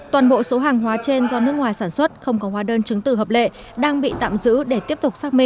toàn bộ số hàng hóa trên do nước ngoài sản xuất không có hóa đơn chứng tử hợp lệ đang bị tạm giữ để tiếp tục xác minh